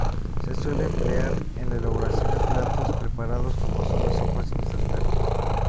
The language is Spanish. Se suele emplear en la elaboración de platos preparados como son las sopas Instantáneas.